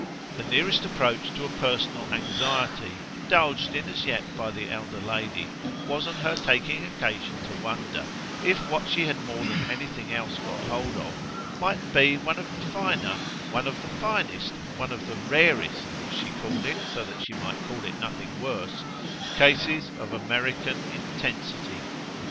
The nearest approach to a personal anxiety indulged in as yet by the elder lady was on her taking occasion to wonder if what she had more than anything else got hold of mightn't be one of the finer, one of the finest, one of the rarest as she called it so that she might call it nothing worse cases of American intensity.